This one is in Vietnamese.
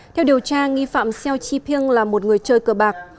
theo điều tra nghi phạm seo chi ping là một người chơi cờ bạc